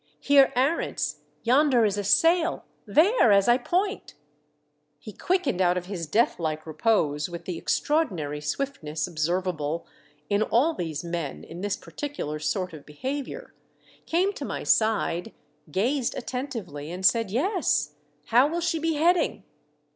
•' Heer Arents, yonder is a sail — there, as I point." He quickened out of his death like repose with the extraordinary swiftness observable in all these men in this particular sort of behaviour, came to my side, gazed attentively, and said, " Yes ; how will she be heading